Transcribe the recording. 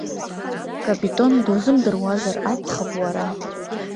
Капитон дузымдыруазар акәхап уара?!